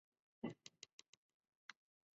顶骨与鳞状骨构成头盾。